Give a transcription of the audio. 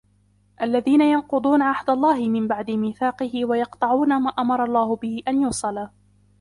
الَّذِينَ يَنْقُضُونَ عَهْدَ اللَّهِ مِنْ بَعْدِ مِيثَاقِهِ وَيَقْطَعُونَ مَا أَمَرَ اللَّهُ بِهِ أَنْ يُوصَلَ